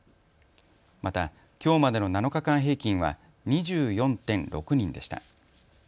またきょうまでの７日間平均は２４．６人でした。